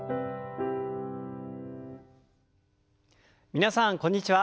皆さんこんにちは。